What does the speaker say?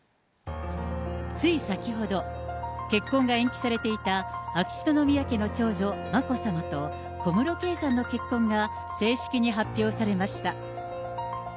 つい先ほど、結婚が延期されていた秋篠宮家の長女、眞子さまと小室圭さんの結婚が正式に発表されました。